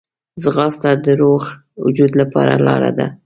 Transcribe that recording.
ځغاسته د روغ وجود لپاره لاره ده